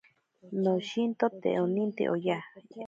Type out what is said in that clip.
Noshinto te oninte oya.